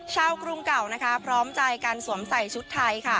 กรุงเก่าพร้อมใจการสวมใส่ชุดไทย